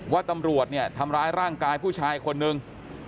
ว่าตำรวจเนี่ยทำร้ายร่างกายผู้ชายคนนึง